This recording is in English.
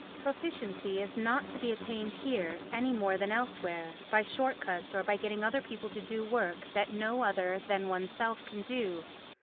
Proficiency is not to be attained here, any more than elsewhere, by short cuts or by getting other people to do work that no other than oneself can do.